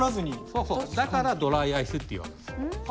そうそうだからドライアイスっていう訳です。